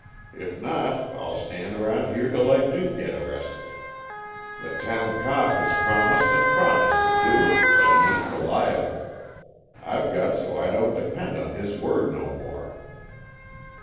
If not, I'll stand around here 'til I do get arrested. The town cop has promised and promised to do it, but he ain't reliable. I've got so I don't depend on his word no more."